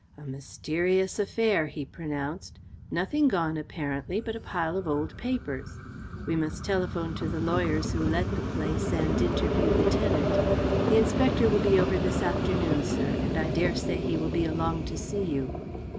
"A mysterious affair," he pronounced. "Nothing gone, apparently, but a pile of old papers. We must telephone to the lawyers who let the place and interview the tenant. The inspector will be over this afternoon, sir, and I dare say he will be along to see you."